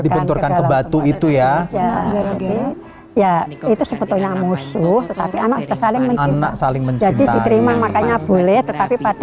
dibenturkan ke batu itu ya ya itu sebetulnya musuh tetapi anak anak saling mencintai makanya